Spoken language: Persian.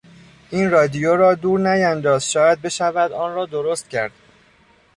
این رادیو را دور نیانداز شاید بشود آن را درست کرد.